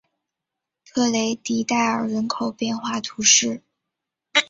特雷迪代尔人口变化图示